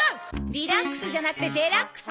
「リラックス」じゃなくて「デラックス」！